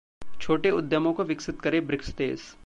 'छोटे उद्यमों को विकसित करें ब्रिक्स देश'